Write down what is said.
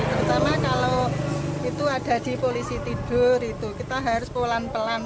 terutama kalau itu ada di polisi tidur itu kita harus pelan pelan